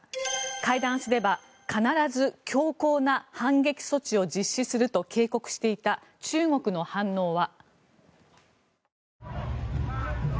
会談すれば必ず強硬な反撃措置を実施すると警告していた中国の反応は。